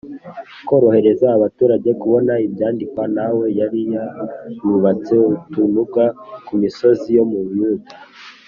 Korohereza abaturage kubona ibyandikwa na we yari yarubatse utununga ku misozi yo mu buyuda